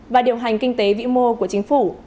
và điều hành kinh tế vĩ mô của chính phủ